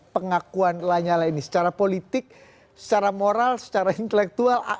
pengakuan lanyala ini secara politik secara moral secara intelektual